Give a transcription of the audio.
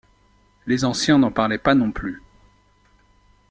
Les anciens n'en parlaient pas non plus.